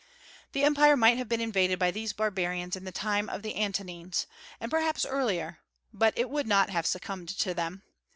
The Empire might have been invaded by these barbarians in the time of the Antonines, and perhaps earlier; but it would not have succumbed to them.